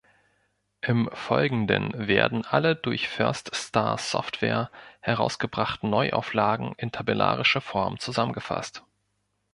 Im Folgenden werden alle durch First Star Software herausgebrachten Neuauflagen in tabellarischer Form zusammengefasst.